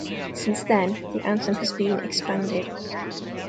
Since then, the anthem has been expanded.